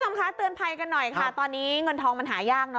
คุณผู้ชมคะเตือนภัยกันหน่อยค่ะตอนนี้เงินทองมันหายากเนอ